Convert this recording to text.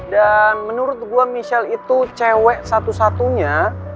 dan menurut gue michelle itu cewek satu satunya